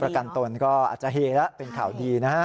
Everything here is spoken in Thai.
ประกันตนก็อาจจะเฮแล้วเป็นข่าวดีนะฮะ